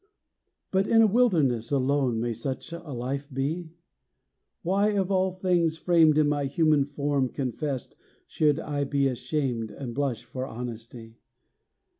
But in a wilderness Alone may such life be? Why of all things framed, In my human form confessed Should I be ashamed, And blush for honesty?